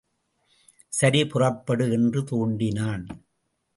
சரி, புறப்படு என்று தூண்டினான்.